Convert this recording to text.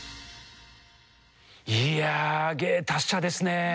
いやあ芸達者ですね。